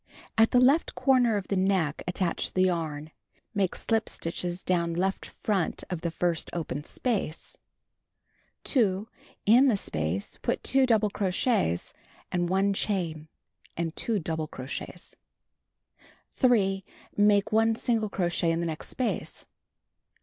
At the left corner of the neck attach the yarn. Make slip stitches down left front to the first open sjiace. 2. In the space, put 2 double crochets, and 1 chain, and 2 double crochets. 3. Make 1 single crochet in the next space.